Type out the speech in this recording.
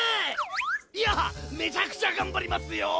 いやめちゃくちゃ頑張りますよ！？